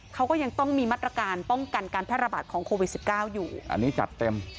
เขาก็ยังต้องมีมาตรการป้องกันการแพร่ระบาดของโควิดสิบเก้าอยู่อันนี้จัดเต็ม